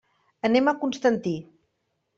Anem a Constantí.